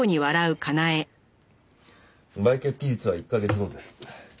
売却期日は１カ月後です。